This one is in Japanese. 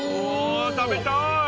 食べたい！